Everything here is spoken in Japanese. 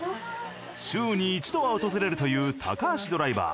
週に一度は訪れるという高橋ドライバー。